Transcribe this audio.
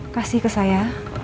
kasih ke saya